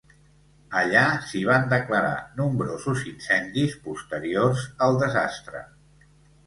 Allà s'hi van declarar nombrosos incendis posteriors al desastre.